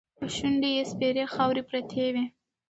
په شونډو یې سپېرې خاوې پرتې وې.